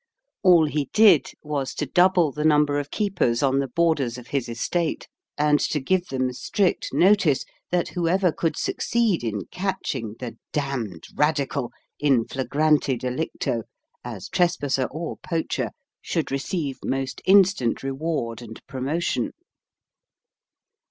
All he did was to double the number of keepers on the borders of his estate, and to give them strict notice that whoever could succeed in catching the "damned radical" in flagrante delicto, as trespasser or poacher, should receive most instant reward and promotion.